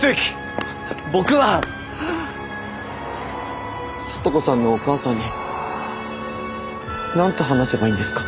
僕は咲都子さんのお母さんに何て話せばいいんですか。